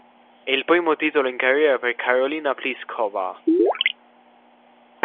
È il primo titolo in carriera per Karolína Plíšková.